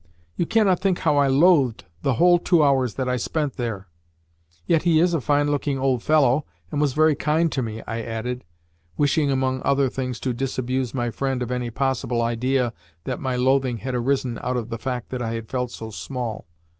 "You cannot think how I loathed the whole two hours that I spent there! Yet he is a fine looking old fellow, and was very kind to me," I added wishing, among other things, to disabuse my friend of any possible idea that my loathing had arisen out of the fact that I had felt so small.